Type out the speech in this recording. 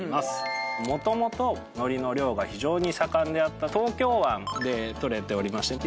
もともとのりの漁が非常に盛んであった東京湾で取れておりまして。